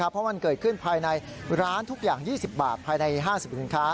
เพราะมันเกิดขึ้นภายในร้านทุกอย่าง๒๐บาทภายใน๕๐สินค้า